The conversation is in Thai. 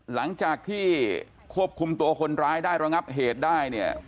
หลังจากที่ควบคุมตัวคนร้ายได้ระงับเหตุได้เนี่ย